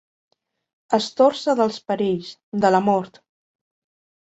Estòrcer dels perills, de la mort.